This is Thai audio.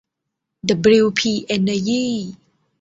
ดับบลิวพี เอ็นเนอร์ยี่